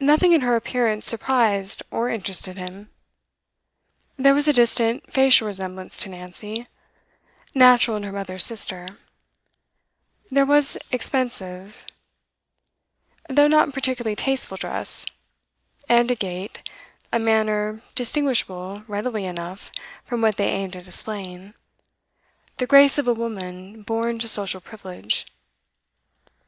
Nothing in her appearance surprised or interested him. There was a distant facial resemblance to Nancy, natural in her mother's sister; there was expensive, though not particularly tasteful dress, and a gait, a manner, distinguishable readily enough from what they aimed at displaying the grace of a woman born to social privilege.